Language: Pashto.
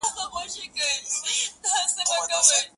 د دنیا له کوره تاته ارمانجن راغلی یمه؛